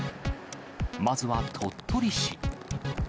まずは鳥取市。